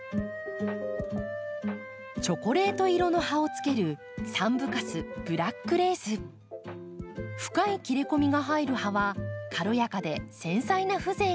チョコレート色の葉をつける深い切れ込みが入る葉は軽やかで繊細な風情があります。